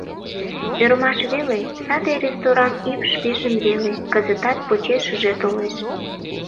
Ӧрмаш веле: саде ресторан ӱпш пижын веле, кызытат почешыже толеш.